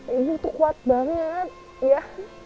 ibu tuh kuat banget ya